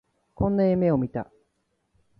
こんな夢を見た